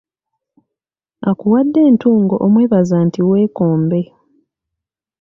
Akuwadde entungo omwebaza nti weekombe.